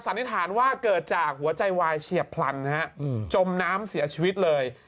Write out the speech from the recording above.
นิษฐานว่าเกิดจากหัวใจวายเฉียบพลันจมน้ำเสียชีวิตเลย